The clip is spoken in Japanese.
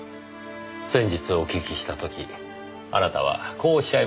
先日お聞きした時あなたはこうおっしゃいましたね。